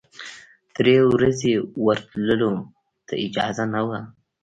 درې ورځې ورتللو ته اجازه نه وه.